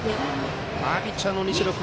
ピッチャーの西野君